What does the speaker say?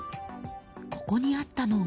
ここにあったのが。